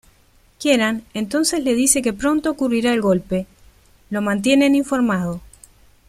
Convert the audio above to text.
Kieran entonces le dice que pronto ocurrirá el golpe; lo mantienen informado.